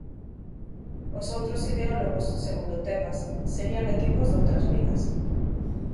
Os outros ideólogos, segundo Tebas, serían equipos doutras ligas.